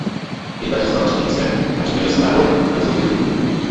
Inter zůstal na třetím místě a přiblížil se Neapoli na rozdíl pěti bodů.